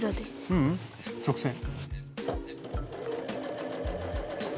ううん直線。